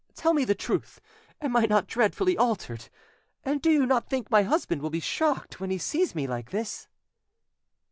Tell me the truth: am I not dreadfully altered? and do you not think my husband will be shocked when he sees me like this?"